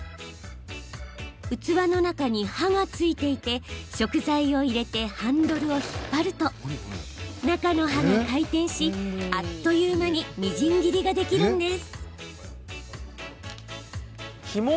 器の中に刃が付いていて食材を入れてハンドルを引っ張ると中の刃が回転しあっという間にみじん切りができるんです。